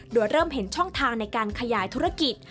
โดยเริ่มเห็นช่องทางในการขยายธุรกิจ